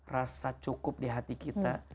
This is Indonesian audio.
rasa cukup di hati kita